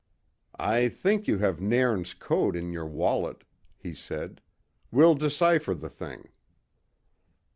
"I think you have Nairn's code in your wallet," he said. "We'll decipher the thing."